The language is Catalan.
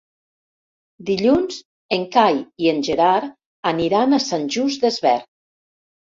Dilluns en Cai i en Gerard aniran a Sant Just Desvern.